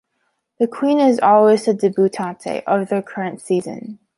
The queen is always a debutante of the current season.